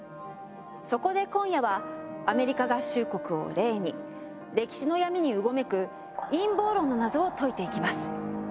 そこで今夜はアメリカ合衆国を例に歴史の闇にうごめく陰謀論の謎を解いていきます。